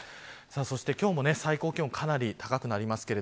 そして今日も最高気温は高くなります。